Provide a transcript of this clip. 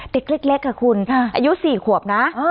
เด็กเล็กค่ะคุณอายุ๔ขวบนะ